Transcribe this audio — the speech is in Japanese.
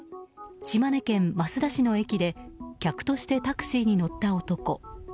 島根県益田市の駅で客としてタクシーに乗った男。